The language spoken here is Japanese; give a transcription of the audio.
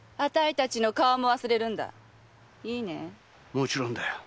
もちろんだよ。